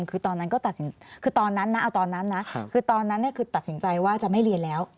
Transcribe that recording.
คือตอนนั้นคือตัดสินใจว่าจะไม่เรียนแล้ว